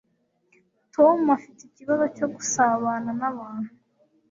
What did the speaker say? tom afite ikibazo cyo gusabana nabantu